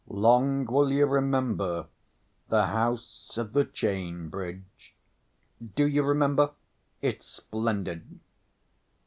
Long will you remember The house at the Chain bridge. Do you remember? It's splendid.